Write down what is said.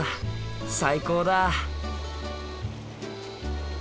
最高だ！